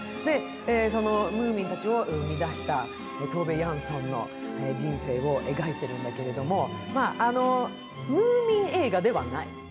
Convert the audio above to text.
そのムーミンたちを生み出したトーベ・ヤンソンの人生を描いているんだけど、ムーミン映画ではない。